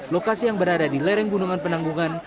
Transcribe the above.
lokasi yang berada di lereng gunungan penanggungan